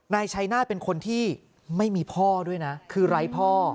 นายชัยนาฏเป็นคนที่ไม่มีพ่อด้วยนะคือไร้พ่อ